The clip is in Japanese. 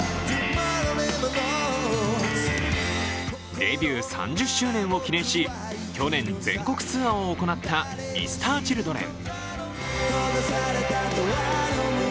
デビュー３０周年を記念し、去年全国ツアーを行ったＭｒ．Ｃｈｉｌｄｒｅｎ。